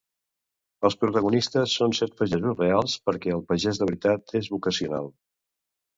Els protagonistes són set pagesos reals, perquè el pagès de veritat és vocacional.